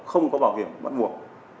không có bảo hiểm bắt buộc